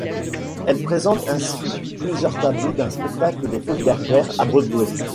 Elle présente ainsi plusieurs tableaux d'un spectacle des Folies Bergère à Broadway.